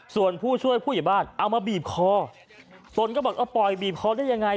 ส่วนผู้ช่วยผู้ใหญ่บ้านเอามาบีบคอตนก็บอกเออปล่อยบีบคอได้ยังไง